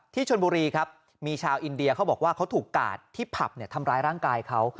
ชนบุรีครับมีชาวอินเดียเขาบอกว่าเขาถูกกาดที่ผับทำร้ายร่างกายเขา